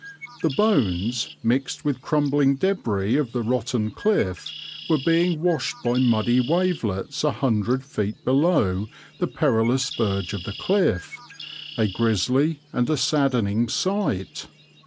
The bones, mixed with crumbling débris of the rotten cliff, were being washed by muddy wavelets a hundred feet below the perilous verge of the cliff, a grisly and a saddening sight.